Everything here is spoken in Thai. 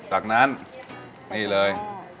จากนั้นนี่เลย